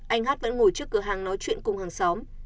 anh hát vẫn ngồi trước cửa hàng nói chuyện cùng hàng xóm